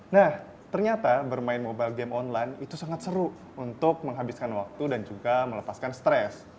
nah ternyata bermain mobile game online itu sangat seru untuk menghabiskan waktu dan juga melepaskan stres